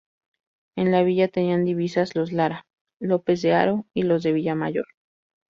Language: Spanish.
En la villa tenían divisas los Lara, López de Haro y los de Villamayor.